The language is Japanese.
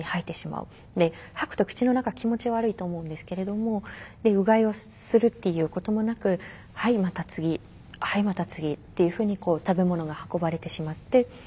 吐くと口の中気持ち悪いと思うんですけれどもうがいをするっていうこともなくはいまた次はいまた次っていうふうに食べ物が運ばれてしまって。